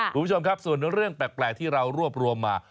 คุณผู้ชมครับส่วนเรื่องแปลกที่เรารวบรวมมา